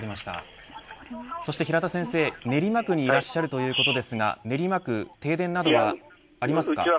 平田先生、練馬区にいらっしゃるということですが練馬区に停電などはありますか。